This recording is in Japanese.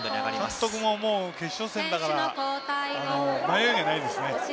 監督も決勝戦だから悩んでいないですね。